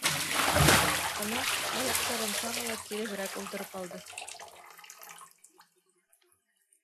Ана, аяҡтарын тағы ла киреберәк ултырып алды.